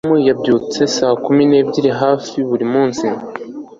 tom yabyutse saa kumi n'ebyiri hafi buri munsi